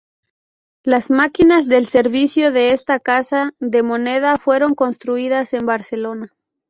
Las máquinas del servicio de esta casa de moneda fueron construidas en Barcelona.